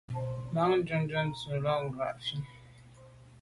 Mbàŋ jɔ̌ŋnə́ túʼdə́ nə̀ lú láʼ ngrāfí.